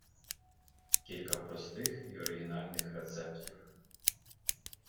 КІЛЬКА ПРОСТИХ І ОРИГІНАЛЬНИХ РЕЦЕПТІВ